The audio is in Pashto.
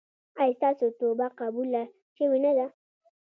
ایا ستاسو توبه قبوله شوې نه ده؟